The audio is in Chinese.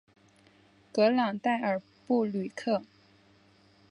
格朗代尔布吕克。